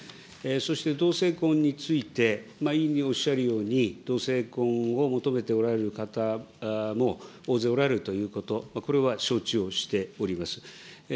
そして同性婚について、委員、おっしゃるように、同性婚を求めておられる方も大勢おられるということ、これは承知をしております。